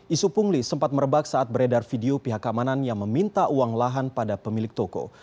isu pungli sempat merebak saat beredar video pihak keamanan yang meminta uang lahan pada pemilik toko